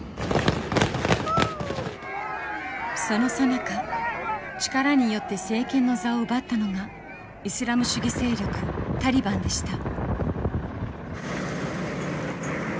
そのさなか力によって政権の座を奪ったのがイスラム主義勢力タリバンでした。